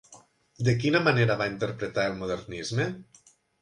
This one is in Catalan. De quina manera va interpretar el modernisme?